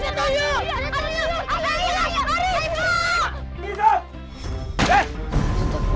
saya ada perlu sama hati kamu bukan sama kamu